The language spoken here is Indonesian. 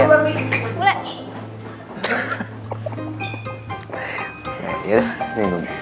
yaudah ini dulu